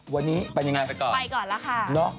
วันนี้ไปยังไงไปก่อนล่ะค่ะ